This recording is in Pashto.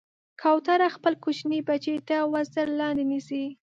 کوتره خپل کوچني بچي تر وزر لاندې نیسي.